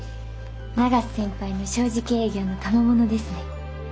永瀬先輩の正直営業のたまものですね。